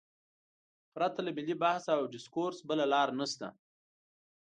پرته له ملي بحث او ډیسکورس بله لار نشته.